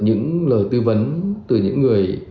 những lời tư vấn từ những người